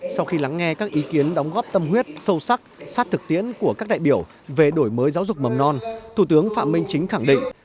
sau khi lắng nghe các ý kiến đóng góp tâm huyết sâu sắc sát thực tiễn của các đại biểu về đổi mới giáo dục mầm non thủ tướng phạm minh chính khẳng định